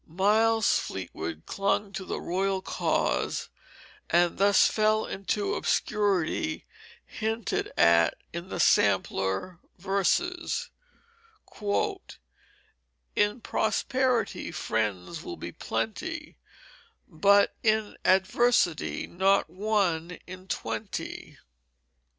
Miles Fleetwood clung to the royal cause, and thus fell into the obscurity hinted at in the sampler verses: "In prosperity friends will be plenty, But in adversity not one in twenty."